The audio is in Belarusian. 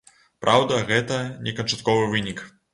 Праўда, гэта не канчатковы вынік.